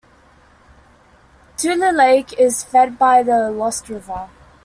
Tule Lake is fed by the Lost River.